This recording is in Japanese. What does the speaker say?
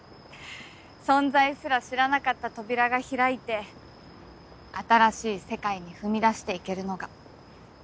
存在すら知らなかった扉が開いて新しい世界に踏み出していけるのが。